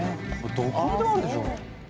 どこにでもあるでしょう